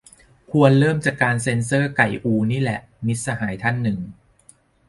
ควรเริ่มจากการเซ็นเซอร์ไก่อูนี่แหละ - มิตรสหายท่านหนึ่ง